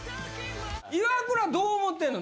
イワクラどう思てんの？